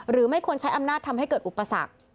ไม่ควรใช้อำนาจทำให้เกิดอุปสรรค